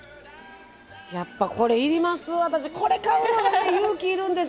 やっぱこれいります！